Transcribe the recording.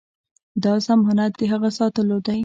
دا ضمانت د هغه ساتلو دی.